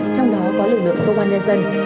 trong đó có lực lượng công an nhân dân